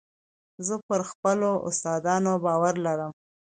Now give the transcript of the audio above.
زه پر خپلو استادانو باور لرم.